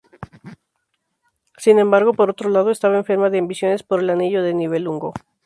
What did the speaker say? Sin embargo, por otro lado estaba enferma de ambiciones por el Anillo Nibelungo.